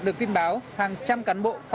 quy đề bca x một